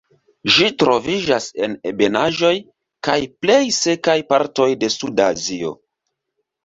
Ĝi troviĝas en ebenaĵoj kaj plej sekaj partoj de Suda Azio.